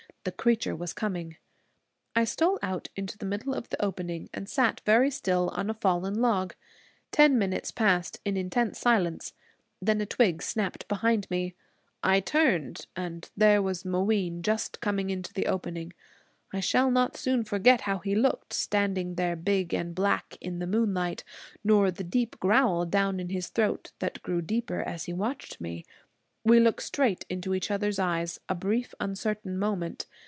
The creature was coming. I stole out into the middle of the opening, and sat very still on a fallen log. Ten minutes passed in intense silence. Then a twig snapped behind me. I turned and there was Mooween, just coming into the opening. I shall not soon forget how he looked, standing there big and black in the moonlight; nor the growl deep down in his throat, that grew deeper as he watched me. We looked straight into each other's eyes a brief, uncertain moment.